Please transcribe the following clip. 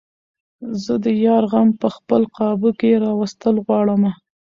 زۀ د يار غم په خپل قابو کښې راوستل غواړمه